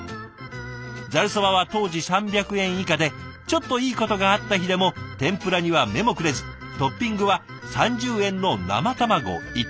ざるそばは当時３００円以下でちょっといいことがあった日でも天ぷらには目もくれずトッピングは３０円の生卵一択。